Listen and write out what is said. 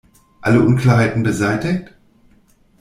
Alle Unklarheiten beseitigt?